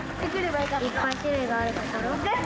いっぱい種類があるところ。